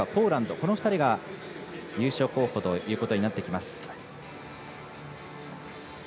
この２人が優勝候補ということになってきます。